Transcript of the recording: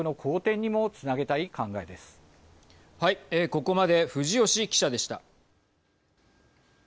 ここまで藤吉記者でした。